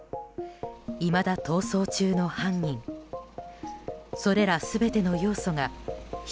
いまだ逃走中の犯人。